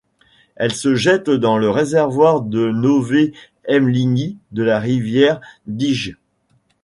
Elle se jette dans le réservoir de Nové Mlyny de la rivière Dyje.